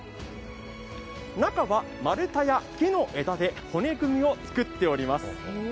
中が割れた丸太や木の枝で骨組みを作っております。